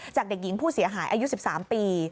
จากเด็กหญิงผู้เสียหายอายุ๑๓ปี